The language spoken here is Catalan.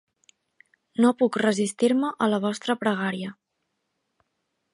No puc resistir-me a la vostra pregària.